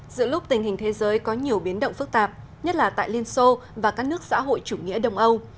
giữa lúc tình hình thế giới có nhiều biến động phức tạp nhất là tại liên xô và các nước xã hội chủ nghĩa đông âu